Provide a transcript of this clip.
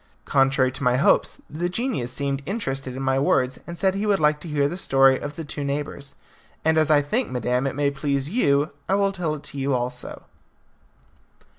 Contrary to my hopes, the genius seemed interested in my words, and said he would like to hear the story of the two neighbours; and as I think, madam, it may please you, I will tell it to you also.